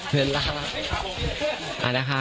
เวลา